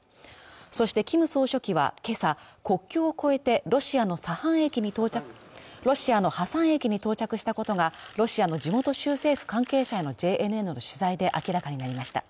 そしてキム総書記は今朝国境を越えてロシアのハサン駅に到着したことがロシアの地元州政府関係者へのＪＮＮの取材で明らかになりました